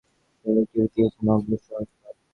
তিনি লুটিয়ে দিয়েছেন অজস্রবার।